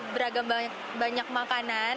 beragam banyak makanan